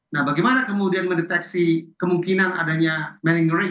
nah bagaimana kemudian mendeteksi kemungkinan adanya malinguring